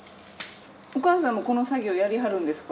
お母さんもこの作業やりはるんですか？